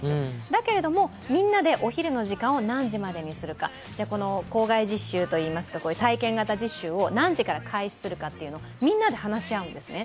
だけれども、みんなでお昼の時間を何時までにするか校外実習、体験型実習を何時から開始するかというのをみんなで話し合うんですね。